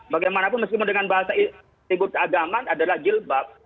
bagaimanapun meskipun dengan bahasa atribut keagamaan adalah jilbab